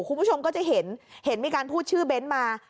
คุณผู้ชมก็จะเห็นเห็นมีการพูดชื่อเบ้นมา